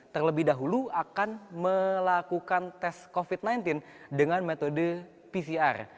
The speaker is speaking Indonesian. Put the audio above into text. terlebih dahulu akan melakukan tes covid sembilan belas dengan metode pcr